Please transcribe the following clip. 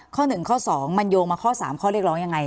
ข้อหนึ่งข้อสองมันโยงมาข้อสามข้อเรียกร้องยังไง